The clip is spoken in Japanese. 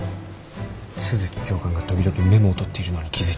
都築教官が時々メモを取っているのに気付いたか？